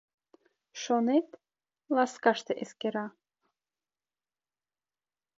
Шонет, ласкаште эскера.